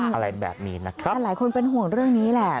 อะไรแบบนี้นะครับแต่หลายคนเป็นห่วงเรื่องนี้แหละ